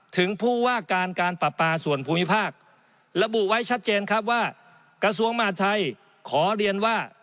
ถึงผู้ว่าการการปราปาส่วนภูมิภาคระบุไว้ชัดเจนครับว่ากระทรวงมหาดไทยขอเรียนว่า